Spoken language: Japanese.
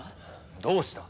どうした？